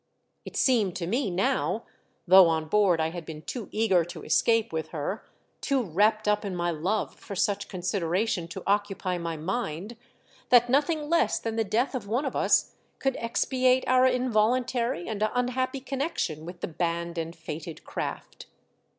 It seemed to me now — though on board I had been too eager to escape with her, too wrapped up in my love for such consideration to occupy my mind — that nothing less than the death of one of us could expiate our involuntary and unhappy connexion with the banned and fated craft.